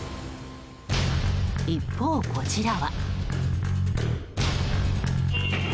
一方、こちらは。